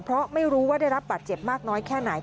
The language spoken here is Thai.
เพราะไม่รู้ว่าได้รับบาดเจ็บมากน้อยแค่ไหน